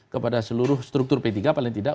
kepada seluruh struktur p tiga paling tidak